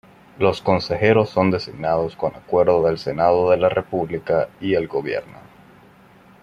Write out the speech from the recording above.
Los Consejeros son designados con acuerdo del Senado de la República y el Gobierno.